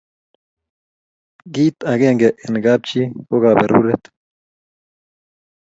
kit akenge eng kap chi ko kaberuret